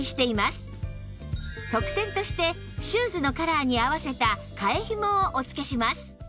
特典としてシューズのカラーに合わせた替えひもをお付けします